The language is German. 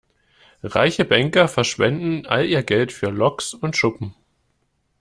Reiche Banker verschwenden all ihr Geld für Loks und Schuppen.